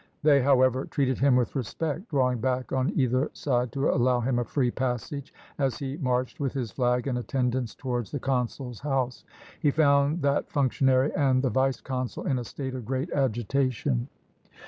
They, however, treated him with respect, drawing back on either side to allow him a free passage, as he marched with his flag and attendants towards the consul's house. He found that functionary and the vice consul in a state of great agitation.